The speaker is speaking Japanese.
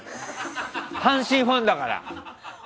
阪神ファンだから。